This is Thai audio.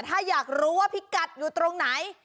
ถ้าอยากรู้ว่าพี่กัดอยู่ตรงไหน